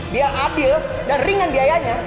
dia adil dan ringan biayanya